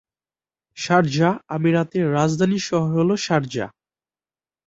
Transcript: Sharjah আমিরাতের রাজধানী শহর হলো "শারজাহ"।